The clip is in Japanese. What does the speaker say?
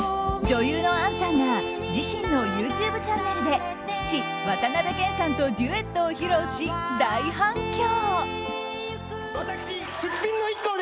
女優の杏さんが、自身のＹｏｕＴｕｂｅチャンネルで父・渡辺謙さんとデュエットを披露し大反響！